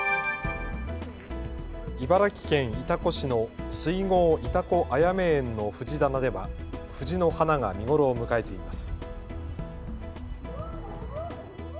茨城県潮来市の水郷潮来あやめ園の藤棚では藤の花が見頃を迎えています。